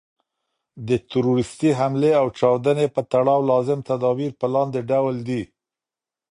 د تروریستي حملې او چاودني په تړاو لازم تدابیر په لاندي ډول دي.